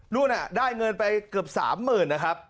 รุ่นน่ะได้เงินไปเกือบสามหมื่นนะครับ